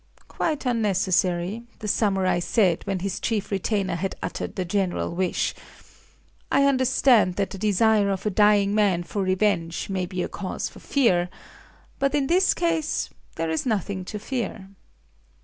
"Quite unnecessary," the samurai said, when his chief retainer had uttered the general wish... "I understand that the desire of a dying man for revenge may be a cause for fear. But in this case there is nothing to fear."